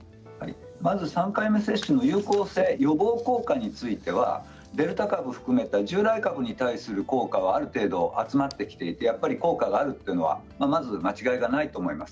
３回目接種の有効性予防効果についてはデルタ株を含めて従来株に対する効果はある程度集まってきていて効果があるというのは間違いじゃないと思います。